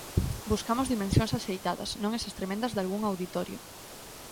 Buscamos dimensións axeitadas, non esas tremendas dalgún auditorio.